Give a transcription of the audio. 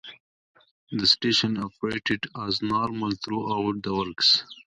The station operated as normal throughout the works.